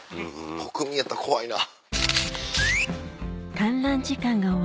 国民やったら怖いな。